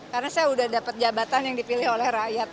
karena saya udah dapat jabatan yang dipilih oleh rakyat